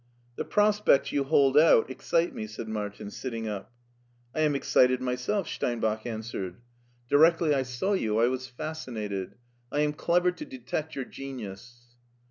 " The prospects you hold out excite me," said Mar tin, sitting up. •*I am excited myself," Steinbach answered 106 MARTIN SCHULER '* Directly I saw you I was fascinated. I am clever to detect your genius."